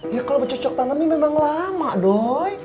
ya kalau bercocok tanam ini memang lama dong